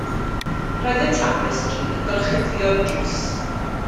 Roedd y tapestri yn gorchuddio drws.